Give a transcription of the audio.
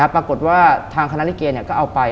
ปรากฏว่าทางคณะลิเกย์เนี่ยก็เอาไป